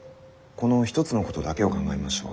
この一つのことだけを考えましょう。